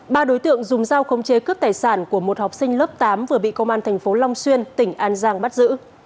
ba đối tượng dùng dao không chế cướp tài sản của một học sinh lớp tám vừa bị công an thành phố long xuyên tỉnh an giang bắt giữ